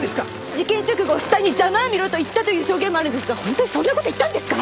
事件直後死体に「ざまあみろ」と言ったという証言もあるんですが本当にそんな事言ったんですか！？